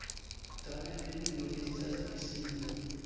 Tamen, nenio estas pli simpla.